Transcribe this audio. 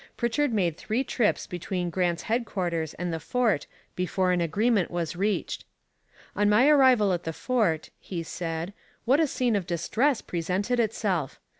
Pritchard made three trips between Grant's headquarters and the fort before an agreement was reached. 'On my arrival at the fort,' he said, 'what a scene of distress presented itself!